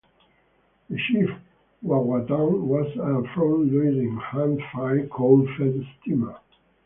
The Chief Wawatam was a front-loading, hand-fired, coal-fed steamer.